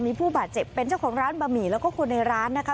มีผู้บาดเจ็บเป็นเจ้าของร้านบะหมี่แล้วก็คนในร้านนะคะ